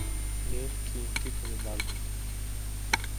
Мен кийинки күнү бардым.